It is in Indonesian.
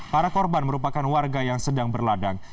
para korban merupakan warga yang sedang berladang